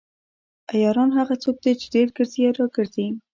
عیاران هغه څوک دي چې ډیر ګرځي راګرځي.